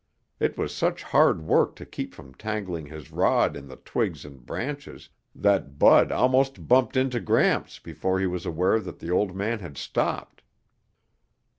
It was such hard work to keep from tangling his rod in the twigs and branches that Bud almost bumped into Gramps before he was aware that the old man had stopped.